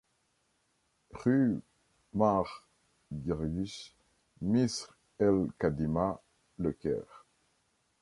Rue Mar Guirguis, Misr El Kadima, Le Caire.